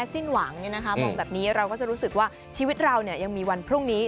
สุดยอด